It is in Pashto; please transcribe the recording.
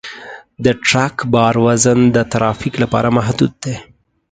د ټرک بار وزن د ترافیک لپاره محدود دی.